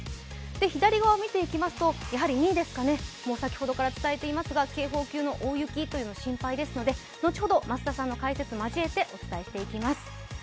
左側を見ていきますと、２位ですかね、先ほどから伝えていますが警報級の大雪というのは心配ですので後ほど増田さんの解説を交えてお伝えしていきます。